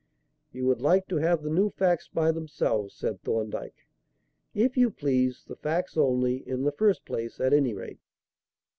"You would like to have the new facts by themselves?" said Thorndyke. "If you please. The facts only, in the first place, at any rate."